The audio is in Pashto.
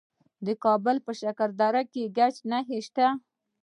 د کابل په شکردره کې د ګچ نښې شته.